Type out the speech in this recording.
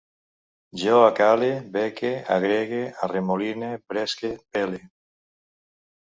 Jo acale, beque, agrege, arremoline, bresque, bele